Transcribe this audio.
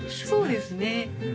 そうですね。